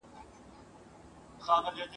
مرګی داسي پهلوان دی اتل نه پرېږدي پر مځکه !.